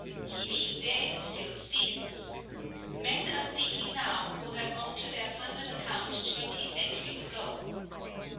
He being dead still speaks. Men are speaking now, who have gone to their final account twenty centuries ago.